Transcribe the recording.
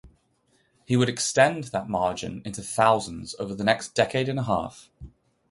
He would extend that margin into thousands over the next decade and a half.